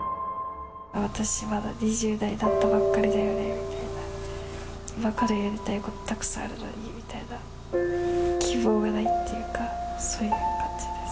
私、まだ２０代になったばっかりだよねみたいな、今からやりたいことたくさんあるのにみたいな、希望がないっていうか、そういう感じです。